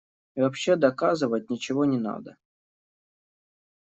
И вообще доказывать ничего не надо.